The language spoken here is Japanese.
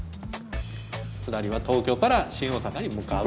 下りは東京から新大阪に向かう。